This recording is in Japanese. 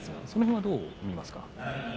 それはどうですか。